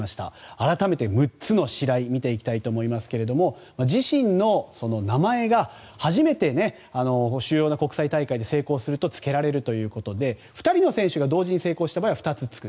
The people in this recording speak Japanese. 改めて６つのシライを見ていきたいと思いますが自身の名前が初めて主要の国際大会で成功するとつけられるということで２人の選手が同時に成功した場合は２つつく。